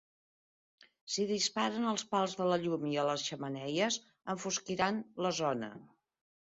Si disparen als pals de la llum i a les xemeneies, enfosquiran la zona.